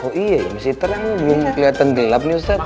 oh iya masih terang belum kelihatan gelap nih ustadz